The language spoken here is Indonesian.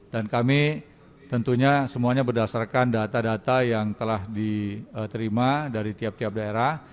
dan kami tentunya semuanya berdasarkan data data yang telah diterima dari tiap tiap daerah